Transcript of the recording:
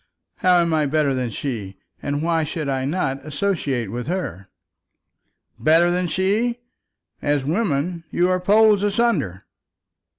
How am I better than her, and why should I not associate with her?" "Better than her! As women you are poles asunder."